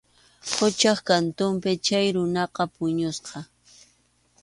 Quchap kantunpi chay runaqa puñusqa.